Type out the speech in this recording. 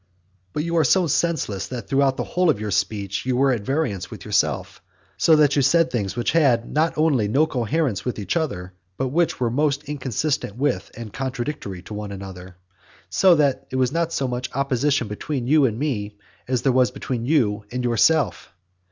VIII. But you are so senseless that throughout the whole of your speech you were at variance with yourself; so that you said things which had not only no coherence with each other but which were most inconsistent with and contradictory to one another; so that there was not so much opposition between you and me as there was between you and yourself.